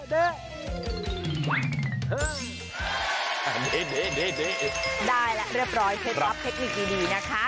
ได้แล้วเรียบร้อยเคล็ดลับเทคนิคดีนะคะ